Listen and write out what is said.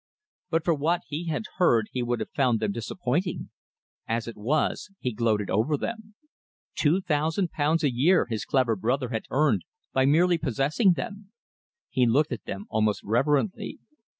But for what he had heard he would have found them disappointing. As it was, he gloated over them. Two thousand pounds a year his clever brother had earned by merely possessing them! He looked at them almost reverently.